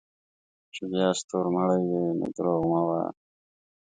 چې بیا ستورمړے وې نو دروغ مه وایه